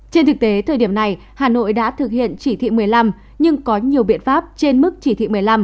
trên thực tế thời điểm này hà nội đã thực hiện chỉ thị một mươi năm nhưng có nhiều biện pháp trên mức chỉ thị một mươi năm